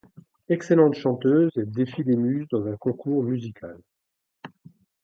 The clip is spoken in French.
Excellentes chanteuses, elles défient les Muses dans un concours musical.